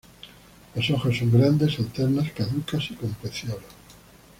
Las hojas son grandes, alternas, caducas y con peciolo.